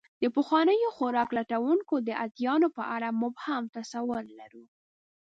د پخوانیو خوراک لټونکو د ادیانو په اړه مبهم تصور لرو.